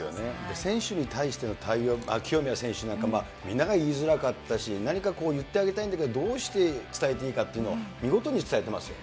選手に対しての対応、清宮選手なんか、みんなが言いづらかったし、何か言ってあげたいんだけど、どうして伝えていいかっていうのを見事に伝えてますよね。